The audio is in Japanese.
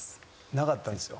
なかったんですよ。